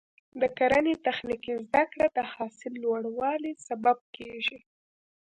د کرنې تخنیکي زده کړه د حاصل لوړوالي سبب کېږي.